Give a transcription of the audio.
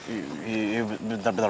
iya iya iya bentar bentar